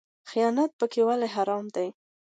خیانت پکې ولې حرام دی؟